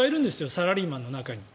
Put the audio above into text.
サラリーマンの中に。